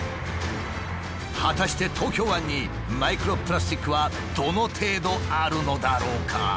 果たして東京湾にマイクロプラスチックはどの程度あるのだろうか？